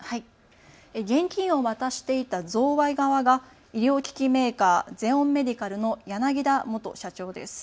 現金を渡していた贈賄側が医療機器メーカー、ゼオンメディカルの柳田元社長です。